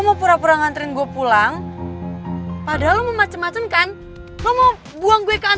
tapi ternyata batu bata gak sejahat yang gue pikir